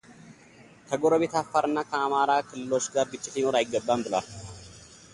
ከጎረቤት አፋር እና አማራ ክልሎች ጋር ግጭት ሊኖር አይገባም ብለዋል።